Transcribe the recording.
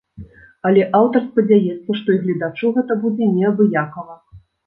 Але аўтар спадзяецца, што і гледачу гэта будзе неабыякава.